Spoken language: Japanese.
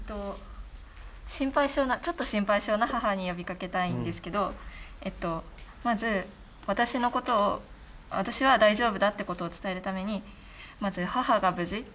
心配性な、ちょっと心配性な母に呼びかけたいんですけど、まず、私のことを、私は大丈夫だっていうことを伝えるために、まず母が無事？